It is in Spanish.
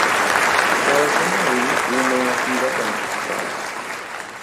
La versión de Wii U no ha sido cuantificada.